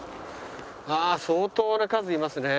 ああー相当な数いますね。